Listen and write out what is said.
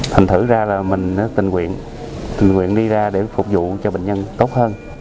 thành thử ra là mình tình nguyện tự nguyện đi ra để phục vụ cho bệnh nhân tốt hơn